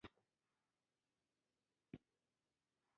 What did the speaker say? احمد يې خې کړ.